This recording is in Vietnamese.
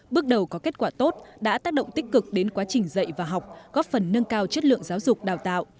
bước đầu có kết quả tốt đã tác động tích cực đến quá trình dạy và học góp phần nâng cao chất lượng giáo dục đào tạo